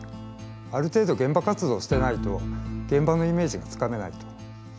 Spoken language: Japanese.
ある程度現場活動をしてないと現場のイメージがつかめないと。